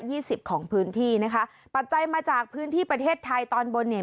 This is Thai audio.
สิบของพื้นที่นะคะปัจจัยมาจากพื้นที่ประเทศไทยตอนบนเนี่ย